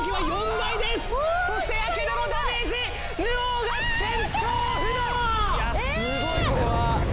いやすごいこれは。